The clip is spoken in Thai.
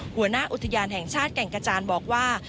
หัวหน้าอุทยานแห่งชาติแก่งกระจานบอกว่า